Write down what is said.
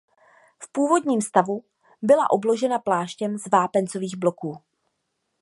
V původním stavu byla obložena pláštěm z vápencových bloků.